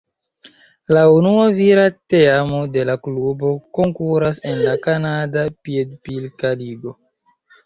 La unua vira teamo de la klubo konkuras en la Kanada piedpilka ligo.